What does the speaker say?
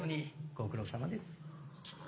ご苦労さまです。